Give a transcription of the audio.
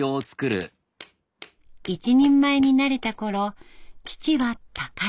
一人前になれたころ父は他界。